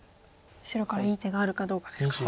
白からいい手があるかどうかですか。